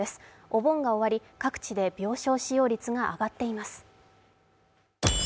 お盆が終わり、各地で病床使用率が上がっています。